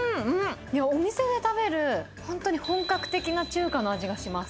お店で食べる、本当に本格的な中華の味がします。